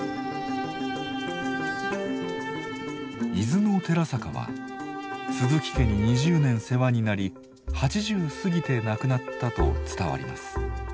伊豆の寺坂は鈴木家に２０年世話になり８０すぎて亡くなったと伝わります。